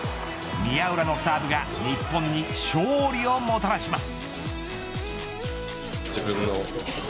宮浦のサーブが日本に勝利をもたらします。